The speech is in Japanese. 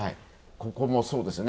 ここもそうですね。